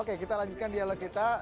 oke kita lanjutkan dialog kita